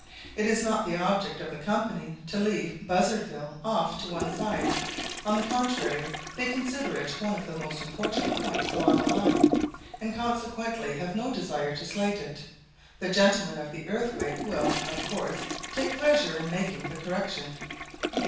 It is not the object of the company to leave Buzzardville off to one side, on the contrary, they consider it one of the most important points along the line, and consequently can have no desire to slight it. The gentlemen of The Earthquake will, of course, take pleasure in making the correction.'